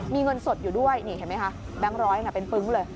มีเงินสดอยู่ด้วยนี่เห็นไหมคะแบงค์ร้อยเป็นปึ๊งเลย